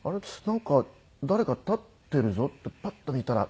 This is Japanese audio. なんか誰か立っているぞってパッと見たら。